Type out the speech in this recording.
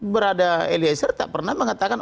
berada eliezer tak pernah mengatakan